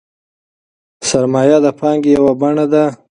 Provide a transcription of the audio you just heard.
سرمایه د پانګې یوه بڼه ده.